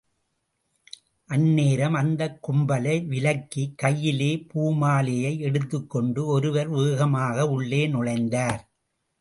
அந் நேரம் அந்தக் கும்பலை விலக்கி கையிலே பூமாலையை எடுத்துக்கொண்டு ஒருவர் வேகமாக உள்ளே நுழைந்தார்.